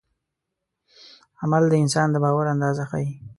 عمل د انسان د باور اندازه ښيي.